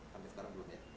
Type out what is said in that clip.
sampai sekarang belum ya